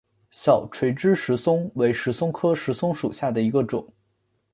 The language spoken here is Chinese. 小垂枝石松为石松科石松属下的一个种。